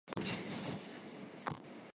Հրապարակը զարդարում են մի քանի հուշարձաններ։